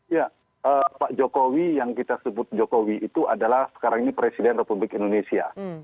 ya pak jokowi yang kita sebut jokowi itu adalah sekarang ini presiden republik indonesia